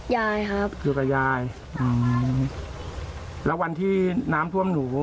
ยายครับอยู่กับยายอืมแล้ววันที่น้ำท่วมหนู